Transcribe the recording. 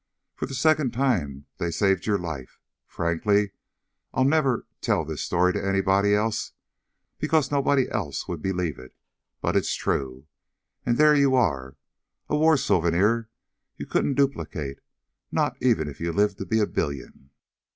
"For the second time they saved your life. Frankly, I'll never tell this story to anybody else because nobody else would believe it. But it's true. And there you are. A war souvenir you couldn't duplicate, not even if you lived to be a billion."